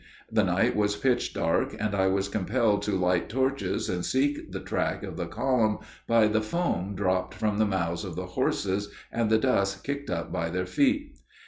The night was pitch dark, and I was compelled to light torches and seek the track of the column by the foam dropped from the mouths of the horses and the dust kicked up by their feet.